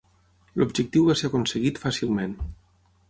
L'objectiu va ser aconseguit fàcilment.